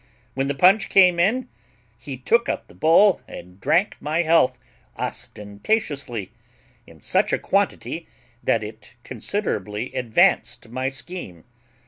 When the punch came in he took up the bowl and drank my health ostentatiously, in such a quantity that it considerably advanced my scheme.